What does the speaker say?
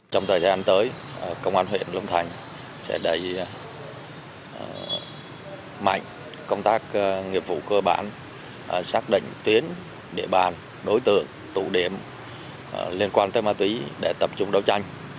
trong thời gian tới công an huyện long thành sẽ đẩy mạnh công tác nghiệp vụ cơ bản xác định tuyến địa bàn đối tượng tụ điểm liên quan tới ma túy để tập trung đấu tranh